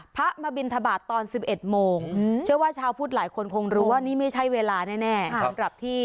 พระมาบินทบาทตอนสิบเอ็ดโมงเชื่อว่าชาวพูดหลายคนคงรู้ว่านี่ไม่ใช่เวลาแน่แน่